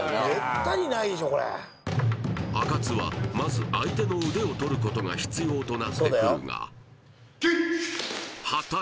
あかつはまず相手の腕を取ることが必要となってくるがはっけよい！